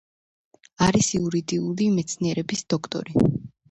არის იურიდიული მეცნიერებების დოქტორი.